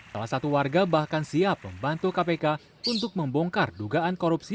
salah satu warga bahkan siap membantu kpk untuk membongkar dugaan korupsi